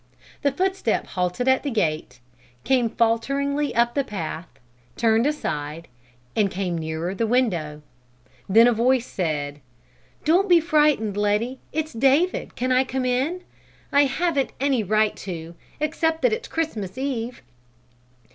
The footstep halted at the gate, came falteringly up the path, turned aside, and came nearer the window. Then a voice said: "Don't be frightened Letty, it's David! Can I come in? I haven't any right to, except that it's Christmas Eve."